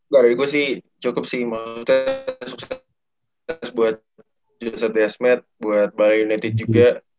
gak ada jadi gue sih cukup sih mau sukses buat joseph diasmet buat bali united juga